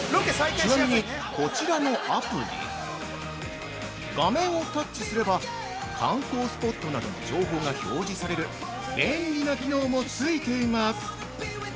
◆ちなみに、こちらのアプリ画面をタッチすれば観光スポットなどの情報が表示される便利な機能もついています。